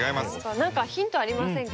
何かヒントありませんか？